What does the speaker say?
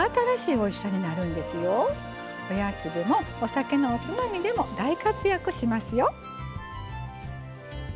おやつでもお酒のおつまみでも大活躍しますよ。